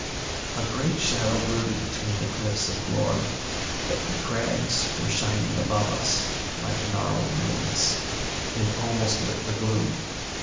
A great shadow brooded between the cliffs of Glorm, but the crags were shining above us like gnarled moons, and almost lit the gloom.